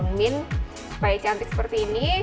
jadi kita minumin supaya cantik seperti ini